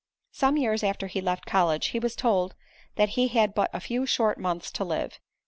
Some years after he left college, he was told that he had but a few short months to live.